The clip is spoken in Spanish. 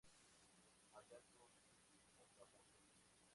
Hayato Okamoto